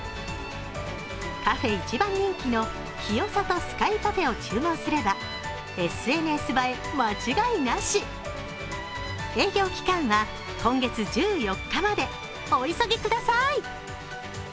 カフェ一番人気の清里スカイパフェを注文すれば、ＳＮＳ映え間違いなし営業期間は今月１４日までお急ぎください。